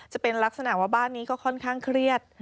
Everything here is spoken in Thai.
จะเป็นลักษณะว่าบ้านนี้ก็ค่อนข้างเครียด